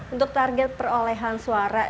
untuk target perolehan suara